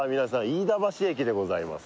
飯田橋駅でございます